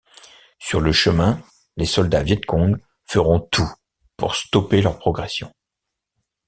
Sur le chemin, les soldats Viet Cong feront tout pour stopper leur progression.